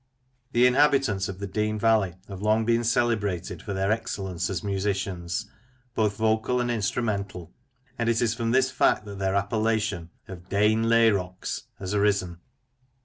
The inhabitants of the Dean valley have long been cele brated for their excellence as musicians, both vocal and instrumental ; and it is from this fact that their appellation of "Deyghn Layrocks" has arisen.